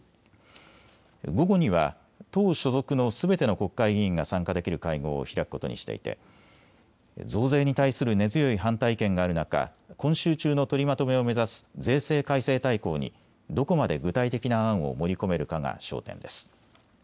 午後には党所属のすべての国会議員が参加できる会合を開くことにしていて増税に対する根強い反対意見がある中、今週中の取りまとめを目指す税制改正大綱にどこまで具体的な案を盛り込めるかが焦点です。